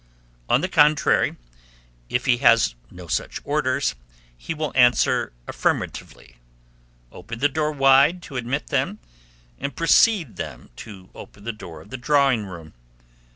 On the contrary, if he has no such orders, he will answer affirmatively, open the door wide to admit them, and precede them to open the door of the drawing room.